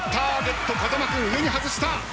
風間君上に外した。